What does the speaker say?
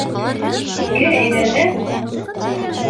Кер эңерҙә.